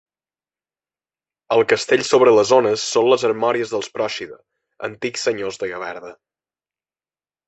El castell sobre les ones són les armories dels Pròixida, antics senyors de Gavarda.